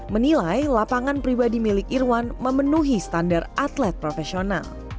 menilai lapangan pribadi milik irwan memenuhi standar atlet profesional